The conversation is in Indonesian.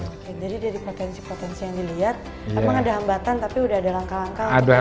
memang ada hambatan tapi udah ada langkah langkah untuk melangkangnya ya